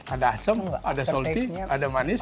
ada asam ada manis ada manis